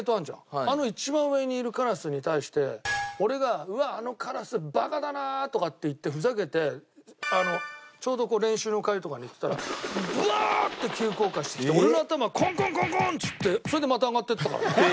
あの一番上にいるカラスに対して俺が「うわっあのカラスバカだな」とか言ってふざけてちょうど練習の帰りとかに言ってたらブワーッて急降下してきて俺の頭コンコンコンコンっつってそれでまた上がっていったからね。